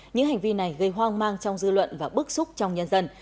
những hành vi này gây hoang mang trong dư luận và bức xúc trong nhân dân